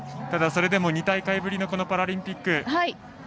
それでも２大会ぶりのこのパラリンピック。